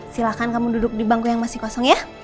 silahkan kamu duduk di bangku yang masih kosong ya